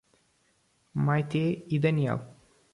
Maitê e Daniel